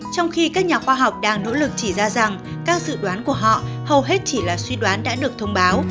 trong khi các nhà khoa học đang nỗ lực chỉ ra rằng các dự đoán của họ hầu hết chỉ là suy đoán đã được thông báo